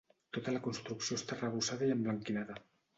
Tota la construcció està arrebossada i emblanquinada.